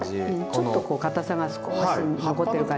ちょっとこうかたさが少し残ってる感じ。